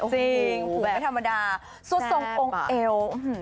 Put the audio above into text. จริงผูกไม่ธรรมดาสวดทรงองค์เอ๋ว